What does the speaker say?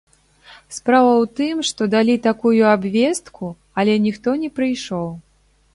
Справа ў тым, што далі такую абвестку але ніхто не прыйшоў.